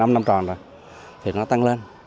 năm năm tròn rồi thì nó tăng lên